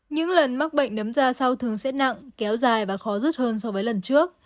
những lần mắc bệnh nấm ra sau thường sẽ nặng kéo dài và khó rút hơn so với lần trước